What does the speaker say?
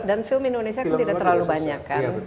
dan film indonesia itu tidak terlalu banyak